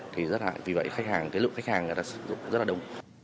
thì rất là vì vậy khách hàng cái lượng khách hàng đã sử dụng rất là đông